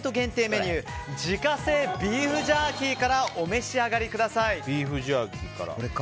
メニュー自家製ビーフジャーキーからお召し上がりください。